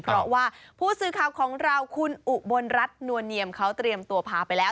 เพราะว่าผู้สื่อข่าวของเราคุณอุบลรัฐนวลเนียมเขาเตรียมตัวพาไปแล้ว